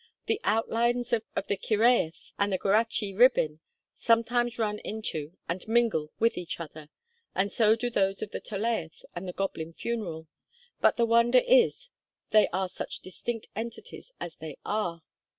The outlines of the Cyhyraeth and the Gwrach y Rhibyn sometimes run into and mingle with each other, and so do those of the Tolaeth and the Goblin Funeral; but the wonder is they are such distinct entities as they are.